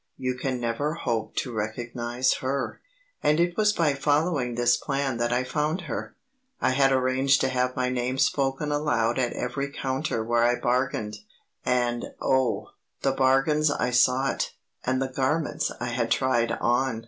You can never hope to recognize her." And it was by following this plan that I found her. I had arranged to have my name spoken aloud at every counter where I bargained; and oh, the bargains I sought, and the garments I had tried on!